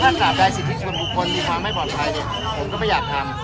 ถ้าตราบใดสิทธิชนบุคคลมีความไม่ปลอดภัยผมก็ไม่อยากทำ